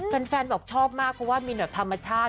แฟนบอกชอบมากเพราะว่ามีแบบธรรมชาติ